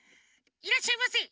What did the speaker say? いらっしゃいませ。